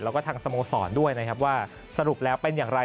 แล้วก็ทางสโมสรด้วยนะครับว่าสรุปแล้วเป็นอย่างไร